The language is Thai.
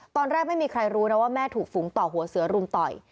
ตอนแรกไม่มีใครรู้นะว่าแม่ถูกฝูงต่อหัวเสือรุมต่อย